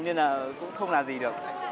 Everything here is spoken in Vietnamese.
nên là cũng không làm gì được